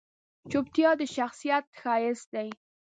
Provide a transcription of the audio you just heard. چپتیا، د شخصیت ښایست دی.